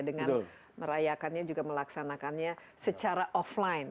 dengan merayakannya juga melaksanakannya secara offline